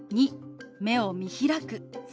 ２目を見開く。